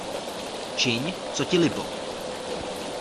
Čiň, co ti libo!